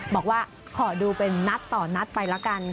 บอกว่าขอดูเป็นนัดต่อนัดไปแล้วกัน